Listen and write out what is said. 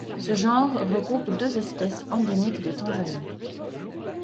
Ce genre regroupe deux espèces endémiques de Tanzanie.